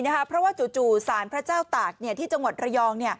นะคะเพราะว่าจู่สารพระเจ้าตากเนี่ยที่จังหวัดระยองเนี่ย